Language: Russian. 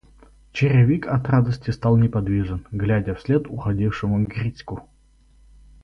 Черевик от радости стал неподвижен, глядя вслед уходившему Грицьку.